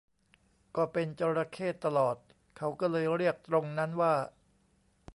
ก็เป็นจระเข้ตลอดเขาก็เลยเรียกตรงนั้นว่า